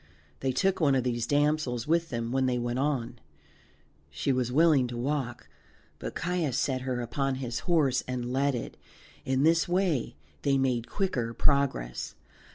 They took one of these damsels with them when they went on. She was willing to walk, but Caius set her upon his horse and led it; in this way they made quicker progress.